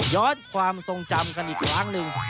ความทรงจำกันอีกครั้งหนึ่ง